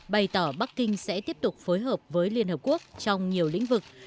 bày tỏ bắc kinh sẽ tiếp tục phối hợp với liên hợp quốc trong nhiều lĩnh vực